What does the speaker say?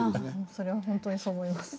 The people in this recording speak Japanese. それは本当にそう思います。